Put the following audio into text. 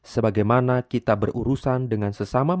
sebagaimana kita berurusan dengan sesama manusia